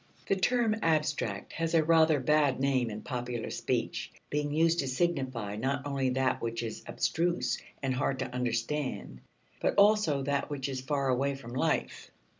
The term "abstract" has a rather bad name in popular speech, being used to signify not only that which is abstruse and hard to understand, but also that which is far away from life.